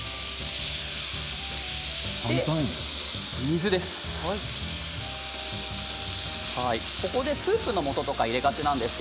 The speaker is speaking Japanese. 水です。